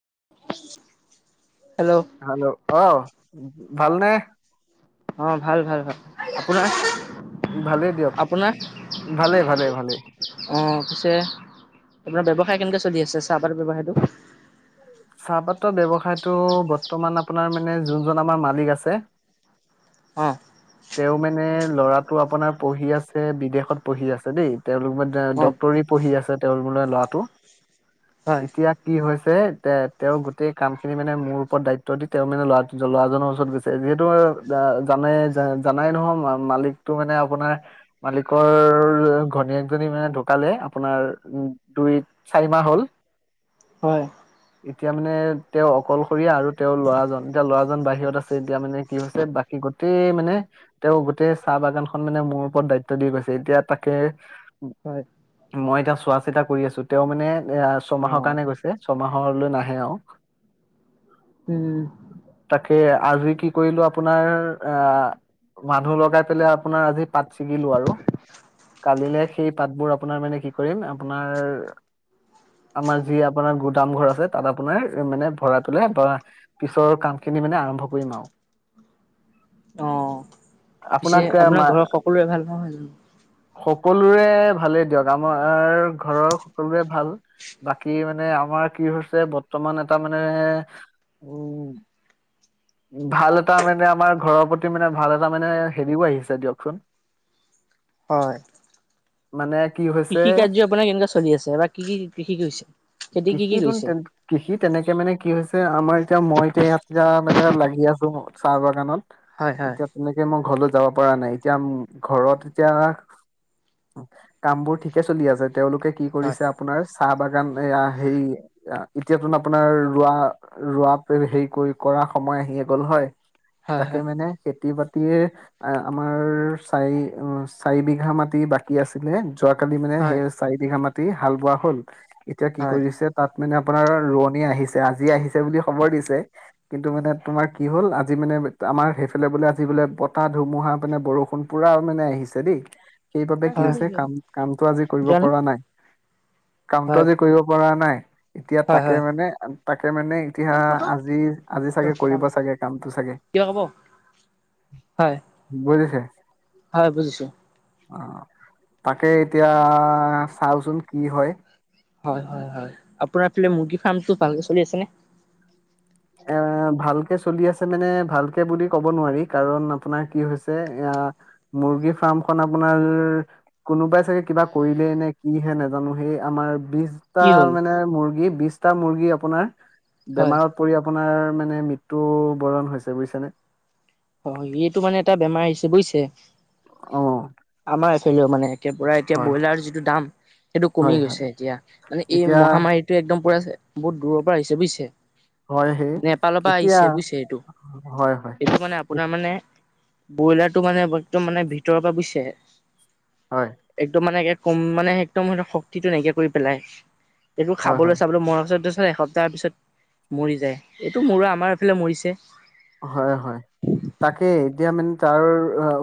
[unintelligible] Hello hello অহ, ভালনে? অ ভাল-ভাল-ভাল, ভালেই দিয়ক আপোনাৰ-আপোনাৰ। অ', ভালেই ভালেই ভালেই পিছে, আপোনাৰ ব্যৱসায় কেনেকৈ চলি আছে, চাহপাত ব্যৱসায়টো। চাহপাতৰ ব্যৱসায়তটো বৰ্তমান আপোনাৰ মানে যোনজন আমাৰ মালিক আছে। অ', তেওঁ মানে লৰাটো আপোনাৰ পঢ়ি আছে বিদেশত পঢ়ি আছে দেই তেওঁলোক মানে অ ডাক্তৰী পঢ়ি আছে তেওঁলোক মানে লৰাটো। হয় এতিয়া কি হৈছ পে [unintelligible] তে-তেওঁ গোটেই কামখিনি মানে মোৰ ওপৰত দায়িত্ব দি। তেওঁ মানে ল'ৰাটো-ল'ৰাজনৰ ওচৰত গৈছে, যিহেতু এ অ' জানে-জানাই নহয় মা-মালিকতটো মানে আপোনাৰ, মালিকৰৰ ঘনীয়েকজনী মানে ঢুকালে, আপোনাৰ উ দুই-চাৰি মাহ হ'ল। হয় এতিয়া মানে তেওঁ অকলশৰীয়া আৰু তেওঁৰ লৰাজন এতিয়া লৰাজন বাহিৰত আছে এতিয়া মানে কি হৈছে বাকী গোটেই মানে তেওঁ গোটেই চাহ বাগানখন মানে মোৰ ওপৰত দায়িত্ব দি গৈছে। এতিয়া তাকে হয় মই এতিয়া চোৱা চিতা কৰি আছো তেওঁ মানে এ অ ছমাহৰ কাৰনে গৈছে। ছমাহৰ ৰ নাহে উম তাকে আজি কি কৰিলো আপোনাৰ আহ মানুহ লগাই পেলাই আপোনাৰ আজি পাত ছিগিলো আৰু কালিলে সেই পাতবোৰ আপোনাৰ মানে কি কৰিম আপোনাৰ আমাৰ যি আপোনাৰ দামঘৰ আছে তাত আপোনাৰ মানে ভৰাই পেলাই বা পিছৰ কাম খিনি মানে আৰম্ভ কৰিম আৰু। অ পিছে আপোনাক মা আপোনাৰ ঘৰৰ সকলোৰে ভাল পাওঁ হয় জানো। সকলোৰে ভালেই দিয়ক আমাৰ ঘৰৰ সকলোৰে ভাল বাকী মানে আমাৰ কি হৈছে বৰ্তমান এটা মানে উম' ভাল এটা মানে আমাৰ ঘৰৰ প্ৰতি মানে ভাল এটা মানে হেৰিও আহিছে দিয়কচোন। হয়। মানে কি হৈছে কৃষি কাৰ্য্য আপোনাৰ কেনেকুৱা চলি আছে বা কি-কি কৃষি কৰিছে খেতি কি? কি এইটোন কৰিছে কৃষি তেনেকে মানে কি হৈছে আমাৰ এতিয়া মই এতিয়া ইয়াত এতিয়া এনেকে লাগি আছোঁ, চাহ বাগানত। হয় হয় এতিয়া তেনেকে মই ঘৰলৈ যাব পৰা নাই। এতিয়া ম ঘৰত এতিয়া কামবোৰ ঠিকে চলি আছে। তেওঁলোকে কি হয় কৰিছে আপোনাৰ চাহ বাগান এয়া সেই এতিয়াতোন আপোনাৰ ৰোৱা-ৰোৱা হেৰি কৰি কৰা সময় আহিয়ে গ'ল হয়। তাকে হয় মানে খেতি-বাতি মাটিয়ে আমাৰ চাৰি অ' চাৰি বিঘা মাটি বাকী আছিলে। যোৱাকালি মানে হয় সেই চাৰিবিঘা মাত হাল বোৱা হ'ল। এতিয়া কি হয় কৰিছে? তাত মানে আপোনাৰ ৰোৱনী আহিছে আজি আহিছে বুলি খবৰ দিছে, কিন্তু মানে তোমাৰ কি হ'ল, আজি মানে আমাৰ সেইফালে বোলে আজি বোলে বতাহ ধুমুহা মানে বৰষুণ পুৰা মানে আহিছে দেই। সেইবাবে কি হয় হৈছে কাম কামটো আজি কৰিব জানো পৰা নাই কামটো হয় আজি কৰিব পৰা নাই এতিয়া হয় তাকে হয় মানে, তাকে মানে এতিয়া আজি-আজি চাগে কৰিব চাগে কামটো চাগে। কিয় কব হয় বুজিছে, হয় বুজিছো অ তাকে এতিয়া চাওচোন কি হয়? হয়-হয়-হয়, আপোনাৰ সেই মুৰ্গীৰ ফাৰ্মটো ভালদৰে চলি আছে নে? এ ভালকে চলি আছে মানে ভালকে বুলি ক'ব নোৱাৰি কাৰণ আপোনাৰ কি হৈছে এ মুৰ্গী ফাৰ্মখনন আপোনাৰ কোনোবাই চাগে কিবা কৰিলেই নে কিহে নাজানো সেই আমাৰ বিশটা কি হ'ল মানে মুৰ্গী বিশ বিছটা মুৰ্গী আপোনাৰ হয় বেমাৰত আপোনাৰ মানে মৃত্যু বৰণ হৈছে বুজিছানে হয় এইটো মানে এটা বেমাৰ আহিছে বুইছে অ', অনাচ খেলো মানে এতিয়াৰ পৰা এতিয়া হয়, ব্ৰইলাৰ যিটো দাম সেইটো কমি হয়, হয়, গৈছে এতিয়া মানে এই এতিয়া মহামাৰীটোৱে একদম পূৰা বহুত দূৰ পৰা আহিছে বুইছে হয় সেই এতিয়া হয় হয় এই ব্ৰইলাৰটো মানে একদম মানে ভিতৰৰ পৰা বুইছে হয়, একদম মানে কম মানে একদম স শক্তিটো নাইকিয়া কৰি পেলাই একো হয়, খাবলৈ চাবলৈ মৰা পিছত দেছ তাৰছত এসপ্তাহৰ পিছত মৰি যায় ।এইটো মোৰো আমাৰ এইফালে মৰিছে হয়, হয়, তাকেই এতিয়া মানে তাৰ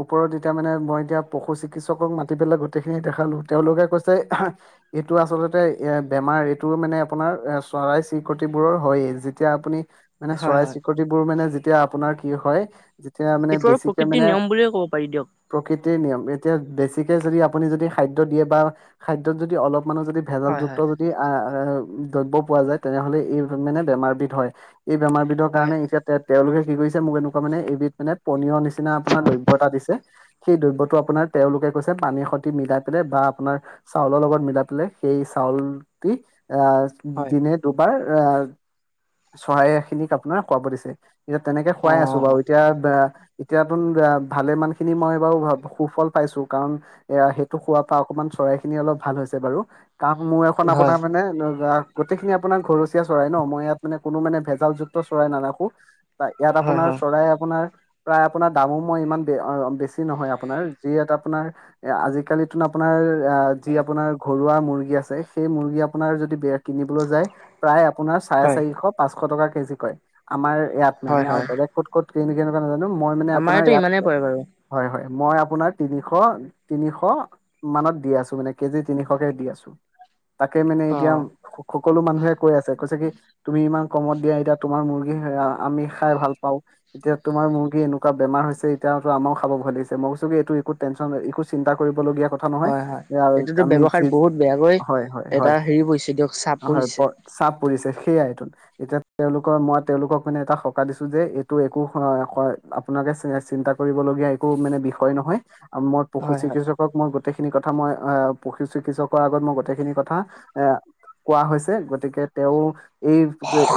ওপৰত এতিয়া মানে মই এতিয়া পশু চিকিৎসকক মাতি পেলাই গোটেইখিনি দেখালো তেওঁলোকে কৈছে, এইটো আচলতে এ বেমাৰ এইটো মানে আপোনাৰ এ চৰাই চিৰিকতি বোৰৰ হয়েই যেতিয়া আপুনি মানে হয় চৰাই হয় চিৰিকতি বোৰ মানে যেত- তিয়া আপোনাৰ কি হয় যেতিয়া মানে এইটো আৰু বেছিকে প্ৰকৃতিৰ মানে নিয়ম বুলিয়ে ক'ব পাৰি দিয়ক প্ৰকৃতিৰ নিয়ম এতিয়া বেছিকে যদি আপুনি যদি খাদ্য দিয়ে বা খাদ্যত যদি অলপ মানে যদি হয় ভেজালযুক্ত হয় যদি আহ দব্য পোৱা যায়, তেনেহলে এই মানে বেমাৰবিধ হয়। এই বেমাৰবিধৰ হয় কাৰণে এতিয়া ডেথ তেওঁলোকে কি কৰিছে মোক এনেকুৱা মানে এবিধ মানে পনিয় নি নিচিনা আপোনাৰ হয় দ্ৰব্য এটা দিছে সেই দ্ৰব্যটো আপোনাৰ তেওঁলোকে কৈছে পানীৰ সতি মিলাই পেলাই বা আপোনাৰ চাউলৰ লগত মিলাই পেলাই সেই চাউলটি অ হয় দিনে দুবাৰ এ চহই খিনিক আপোনাৰ খুৱাব দিছে এতিয়া তেনেকে খুৱাই আছো অ', বাৰু এতিয়া দা এতিয়াতোন ভালেমান খিনি মই বাৰু সুফল পাইছো, কাৰণ এ সেইটো খোৱাৰ পৰা অকমান চৰাই খিনি অলপ ভাল হৈছে বাৰু। কাম মোৰ এখন হয়, আপোনাৰ মানে লৈ লোৱা গোটেইখিনি আপোনাৰ ঘৰচীয়া চৰাই ন', মই ইয়াত মানে কোনো মানে ভেজালযুক্ত চৰাই নাৰাখো। তা ইয়াত হয়, আপোনাৰ চৰাই আপোনাৰ প্ৰায় আপোনাৰ দামো মই ইমান ব বেছি নহয় আপোনাৰ, যি ইয়াত আপোনাৰ আজিকালিতো আপোনাৰ, এ যি হয়, আপোনাৰ ঘৰুৱা, মুৰ্গী আছে, সেই মুৰ্গী আপোনাৰ যদি, দিয়ে কিনিবলৈ যায়, প্ৰায় আপোনাৰ চাৰে হয়, চাৰিশ পাঁচশ টকা, কেজি কৰে আমাৰ মানে হয়, আ হয়। বলেগ ক'ত, ক'ত, কে [unintelligible] মই মানে আপোনাৰ আমাৰতো ইয়াত ইমানেই পৰে বাৰু হয় হয় মই আপোনাৰ তিনিশ তিনিশ মানত দি আছো মানে কেজি তিনিশকে দি আছো তাকে মানে এতিয়া অ', সকলো মানুহে কৈ আছে কৈছে কি তুমি ইমান কমত দিয়া এতিয়া তোমাৰ মুৰ্গী হেৰা আমি খাই ভাল পাও। এতিয়া তোমাৰ মুৰ্গী এনেকুৱা বেমাৰ হৈছে, এতিয়া আমাৰো খাব ভয় লাগিছে মই কৈছো কি এইটো একো টেনচন একো চিন্তা কৰিবলগীয়া কথা নহয় হয় হয় এইটোতো আমি যি ব্যৱসায়ত বহুত বেয়াকৈ হয় হয় হয় এটা হেৰি পৰিছে দিয়ক চাপ হয় পৰিছে। প- চাপ পৰিছে সেইয়াইটো এতিয়া তেওঁলোকৰ মই তেওঁলোকক মানে এটা শক্ত দিছো যে, এইটো একো আপোনাকে চিন্তা কৰিবলগীয়া একো মানে বিষয় নহয়, আৰু মই পশু হয়, হয়, চিকিৎসকক মই গোট গোটেইখিনি কথা মই আহ পশু চিকিৎসকৰ আগত মই গোটেইখিনি কথা এ কোৱা হৈছে, গতিকে তেওঁ, এই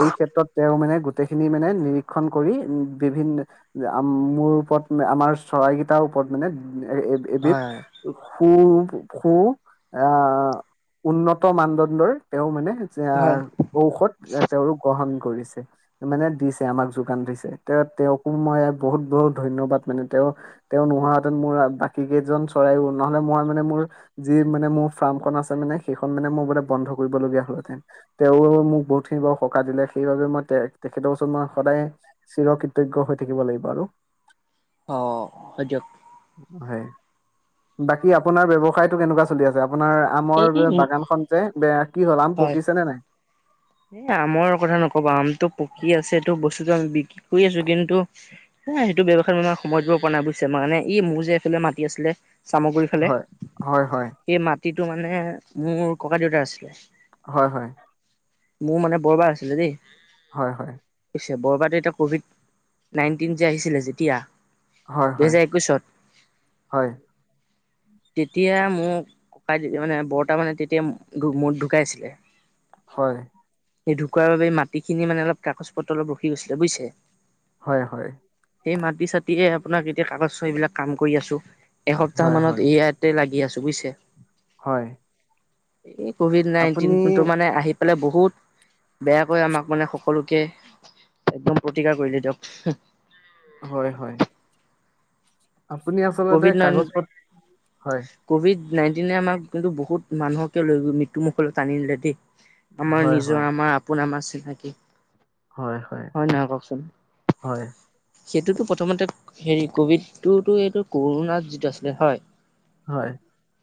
এই ক্ষেত্ৰত তেওঁ মানে গোটেইখিনি মানে নিৰীক্ষণ কৰি বিভিন্ন মোৰ ওপৰত ম আমাৰ চৰাইকেইটাৰ ওপৰত মানে এ এবিধ। হয়, সু সু পশু আহ উন্নত মানদণ্ডৰ তেওঁ মানে, যে হয়, ঔষধ তেওঁক গ্ৰহণ কৰিছে মানে, দিছ- আমাক যোগান ধৰিছে তেওঁ। তেওঁকো মই বহুত বহুত ধন্যবাদ, মানে তেওঁ তেওঁ নোহোৱা হেতেন মোৰ বাকী কেইজন চৰাইও নহলে, ম মানে মোৰ যি মানে, মোৰ ফাৰ্মখন আছে মানে সেইখন মানে মোৰ বোলে বন্ধ কৰিবলগীয়া হলহেতেন। তেওঁ মোক বহুত খিনি বাৰু সকাহ দিলে সেইবাবে মই তেখেত ওচৰত। তোমাৰ সদায়, চিৰ কৃতজ্ঞ হৈ থাকিব লাগিব আৰু। অ, হয় দিওক। হয়। বাকী আপোনাৰ ব্যৱসায়টো কেনেকুৱা চলি আছে? আপোনাৰ এই আমৰ বাগানখন যে, বেয়া কি হল? আম হয়। পকিছে নে নাই? এ আমৰ কথা নকবা। আমতটো পকী আছে। সেইটো বস্তুতটো আমি বিক্ৰী কৰি আছো ।কিন্তু এ সেইটো ব্যৱসায় সময় দিব পৰা নাই বুজিছে। মানে ই মোৰ যে এইফালে মাতি আছিলে। চামগৰি ফালে, হয়, হয়, হয়, সেই মাত টো মানে মোৰ ককা দেউতা আছিলে। হয়, হয়। মোৰ মানে বৰবাৰ আছিলে, দেই। হয়, হয়। বৰবাদে এতিয়া, ক'ভিড নাইনটিন যে, আহিছিলে যেতিয়া হয়, হয়, দুহেজাৰ একৈশত হয়। তেতিয়া মোক ককাই যে, মানে বৰৰতা, মানে তেতিয়া ঢু মু ঢুকাইছিলে। হয়। সেই ঢুকোৱাৰ বাবে মাটি খিনি মানে, অলপ কাগজ-পত্ৰ অলপ ৰখি গৈছিলে, বুজিছে। হয়, হয়। সেই মাটি চতিয়ে আপোনাক এতিয়া কাগজ চয় বিলাক কাম কৰি আছো। এসপ্তাহ হয়, মানত, হয়, ইয়াতে লাগি আছো। বুজিছে। হয়। এই ক'ভিড আপুনি নাইনটিনতটো মানে আহি পেলাই বহুত বেয়াকৈ, আমাক মানে সকলো কে, একদম প্ৰতিকাৰ কৰিলে, দিয়ক। হয়, হয়। আপুনি আচলতে কভিড নাইন কাগজ-পত হয়। কভিড নাইনটিনে আম কিন্তু বহুত, মানুহকে লৈ গৈ মৃত্যু মুখলৈ, টান নিলে, দেই। আমাৰ হয়, নিজৰ, হয়, আমাৰ আপোন, আমাৰ চিনাকি। হয়, হয়, নহয় কওকচোন? হয়। সেইটোতো প্ৰথমতে হেৰি কভিডটোতো এইটো কৰোণাত যিটো আছিলে হয়, হয়।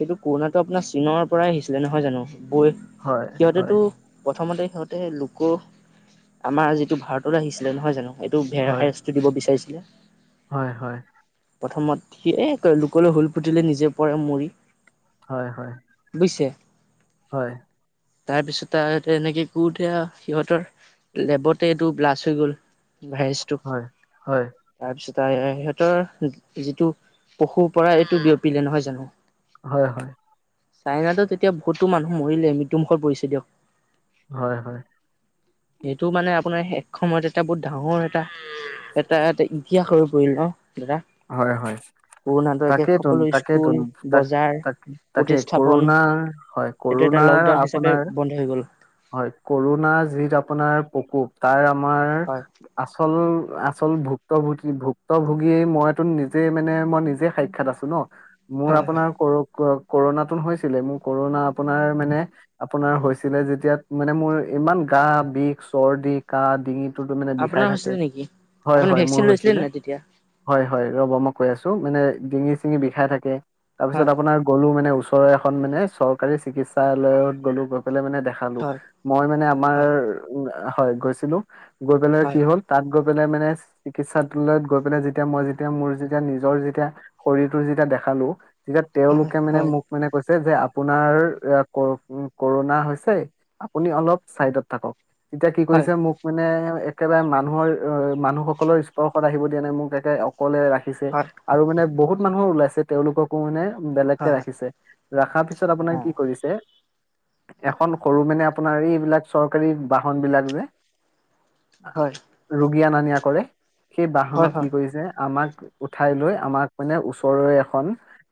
সেইটো কৰোণাটো, আপোনাৰ চীনৰ পৰাই আহিছিলে নহয় জানো? বৈ হয়, হয়, হয়, সিহঁতেতো প্ৰথমতে- সিহঁতে লোকো, আমাৰ যি- ভাৰত আহিছিলে, নহয় জানো। এইটো ভেড়াৰ হয়, হেয়াৰ্ছটো দিব বিচাৰিছিলে। হয়, হয়। প্ৰথমত সি, এ লোকলৈ হুল ফুতিলে, নিজে পৰে মৰি। হয়, হয়। পিছে হয়। তাৰ পিছততে এনেকে, কওঁতে আৰ সিহঁতৰ লেবত। এইটু ব্লাষ্ট হৈ গ'ল। ভাইজ তোক, হয়, তাৰপিছত টা সিহঁতৰ যিটো, পশুৰ পৰা এইটো বিয়পিলে, নহয় জানো। হয়, হয়। চাইনাটো তেতিয়া বহুতো মানুহ মৰিলে মৃত্যুমুখত পৰিছে দিয়ক। হয়, হয়। সেইটো মানে আপ আপোনাৰ শেষ সময়ত, এটা বহুত ডাঙৰ এটা এটা এটা ইতিহাসৰ- [unintelligible] হয়, হয়, একে তাকেইেতোন, সকলো স্কুল তাকেইেতোন, তাক, বজাৰ তাক, তাকে, প্ৰতিস্থাপন কৰোণাৰ হয়, এইটো এটা কৰোণাৰ লকডাউন হিচাপে আপোনাৰ। বন্ধ হৈ গ'ল হয়, কৰুোণা যিটো আপোনাৰ প্ৰকোপ তাৰ আমাৰ হয়। আচল-আচ আচল ভুক্তভোগী, ভুক্তভোগীয়ে, মইতো নিজে মানে, মই নিজে সাক্ষাৎ আছো, ন। মোৰ হয় হয় আপোনাৰ কৰক-ক কৰোণাতোন হৈছিলে। মোৰ কৰোণনা, আপোনাৰ মানে আপোনাৰ হৈছিলে যেতিয়া, মানে মোৰ ইমান গা বিষ, চৰ্দি, কাহ, ডিঙিত মূৰটো মানে বিশাই আপোনাৰ থাকে, হৈছিলে নেকি? হয়, আপুনি হয়, মোৰ ভেকচিন লৈছিলে হৈছিলে, নাই তেতিয়া? হয়, হয়, ৰব, মই কৈ আছো। টো মানে ডিঙি-ছিঙি বিষাই থাকে। তাৰপিছত হয় আপোনৰ গলু মানে উচ ওচৰৰ এখন মানে চৰকাৰী চিকিৎসালয়ত গ'লো। গৈ পেলাই মানে, হয় মই মানে আমাৰ হয় আহ হয়, গৈছিলো। গৈ পেলাই, কি হয় হ'ল তাত- গৈ পেলাই, মানে চিকিৎসালয়ত গৈ পেনে যেতিয়া মই যেতিয়া, মোৰ যেতিয়া, নিজৰ যেতিয়া শৰীৰটো যেতিয়া দেখালো তেতিয়া তেওঁলোকে হয় মানে হয় মোক মানে কৈছ যে আপোনাৰ ৰ- ক, কৰোণা হৈছে। আপুনি অলপ চাইডত থাকক। তেতিয়া কি হয় কৰিছে, মোক মানে একেবাৰে মানুহৰ অৰ-মানুহসকলৰ স্পৰ্শত আহিব দিয়া নাই মোক একে অ অকলে ৰাখিছে হয় আৰু মানে বহুত মানুহৰ ওলাই আছে তেওঁলোককো মানে বেলেগকে হয় ৰাখিছে ৰখাৰ পিছত হয় আপোনাৰ কি কৰিছে এখন সৰু মানে আপোনাৰ এইবিলাক চৰকাৰী বাহন বিলাক যে। হয়। সি অনা নিয়া কৰে সেই হয় হয় বাহনত কি কৰিছে আমাক উঠাই লৈ আমাক মানে ওচৰৰে এখন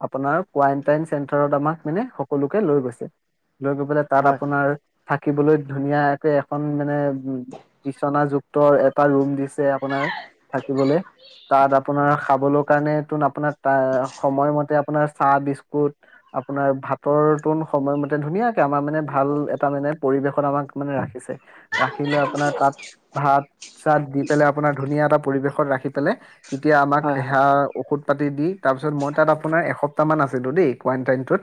আপোনাৰ কুৱাইনটাইন চেন্টাৰত আমাক মানে সকলোকে লৈ গৈছে। লৈ গৈ পেলে তাত হয় আপোনাৰ থাকিবলৈ ধুনীয়াকে এখন এ বিচনা যুগ তৰ এটা ৰুম দিছে আপোনাৰ। থাকিবলে তাত আপোনাৰ খাবলৈ কাৰণে তোন আপোনাক, তাৰ সময়মতে আ আপোনাৰ চাহ বিস্কুট আপোনাৰ ভাতৰ টোন সময়মতে ধুনীয়াকে আমাৰ মানে ভাল এপ পৰিৱেশত আমাক মানে ৰাখিছে ৰাখি লৈ আপোনাৰ তাত ভাত চাত দি পেলাই আপোনাৰ ধুনীয়া এটা পৰিৱেশত ৰাখি পেলে তেতিয়া আমাক হয় হে আ ঔষধ। পাতি দি। তাৰপিছত মই তাত আপোনাৰ এসপ্তাহ মান আছ সেইটো দে কুৱাইন টাইম টো।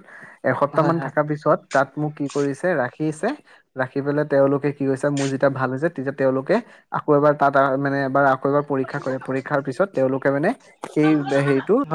হয় এসপ্তাহ হয় মান থকাৰ হয় পিছত--। তাত মোক কি কৰিছে ৰাখি। ৰাখিছে। ৰাখি পেলাই তেওঁলোকে কি হৈছে? মোৰ যেতিয়া ভাল হৈছে তেতিয়া তেওঁলোকে, আকৌ এবাৰ তাত আ মানে এবাৰ--। বাৰ পৰীক্ষা কৰে পৰীক্ষাৰ পিছত তেওঁলোকে মানে সেই হেৰিটো।